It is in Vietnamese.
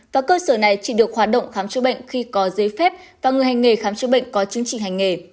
và cơ sở này chỉ được hoạt động khám chữa bệnh khi có giấy phép và người hành nghề khám chữa bệnh có chứng chỉ hành nghề